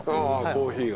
コーヒーが。